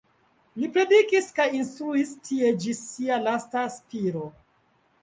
Li predikis kaj instruis tie ĝis sia lasta spiro.